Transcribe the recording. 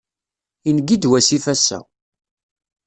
Ingi-d wasif ass-a.